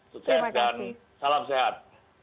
sukses dan salam sehat